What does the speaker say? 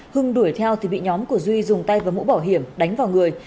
hưng đuổi theo thì bị nhóm của duy dùng tay và mũ bảo hiểm đánh vào người